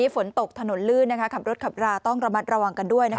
ฝนตกถนนลื่นขับรถขับราต้องระมัดระวังกันด้วย